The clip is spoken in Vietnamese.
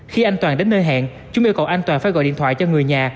khi anh toàn đến nơi hẹn chúng yêu cầu anh toàn phải gọi điện thoại cho người nhà